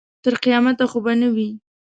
تر قیامته خو به نه وي.